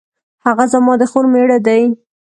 هغه زما د خور میړه دی